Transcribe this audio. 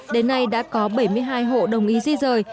đến nay đã có bảy mươi hai hộ đồng ý di rời